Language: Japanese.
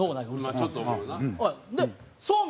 ちょっと思うな。